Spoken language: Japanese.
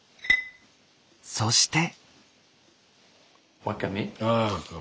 そして。